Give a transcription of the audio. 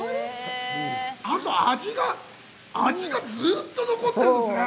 あと味がずっと残ってるんですね。